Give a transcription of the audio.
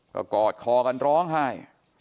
ก็กอดคอกันร้องไห้